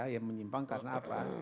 yang menyimpang karena apa